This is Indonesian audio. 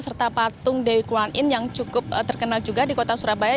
serta patung dewi kuranin yang cukup terkenal juga di kota surabaya